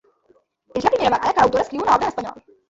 És la primera vegada que l’autora escriu una obra en espanyol.